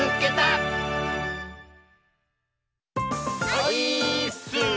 オイーッス！